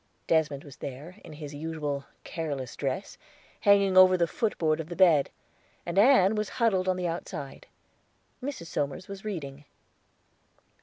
Desmond was there, in his usual careless dress, hanging over the footboard of the bed, and Ann was huddled on the outside. Mrs. Somers was reading.